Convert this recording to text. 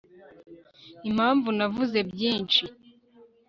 impamvu navuze byinshi